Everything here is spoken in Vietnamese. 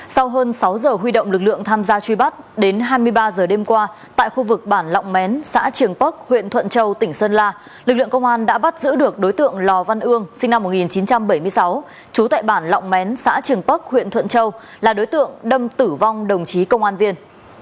sau hơn sáu giờ huy động lực lượng tham gia truy bắt đến hai mươi ba giờ đêm qua tại khu vực bản lọng mén xã trường bắc huyện thuận châu tỉnh sơn la lực lượng công an đã bắt giữ được đối tượng lò văn ương sinh năm một nghìn chín trăm bảy mươi sáu trú tại bản lọng mén xã trường bắc huyện thuận châu là đối tượng đâm tử vong đồng chí công an viên